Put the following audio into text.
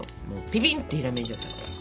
ピピンってひらめいちゃったから。